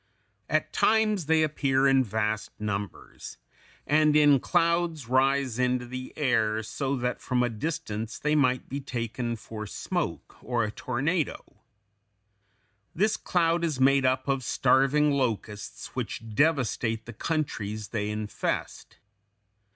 ] At times they appear in vast numbers, and in clouds rise into the air, so that from a distance they might be taken for smoke or a tornado. This cloud is made up of starving locusts which devastate the countries they infest.